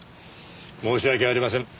申し訳ありません。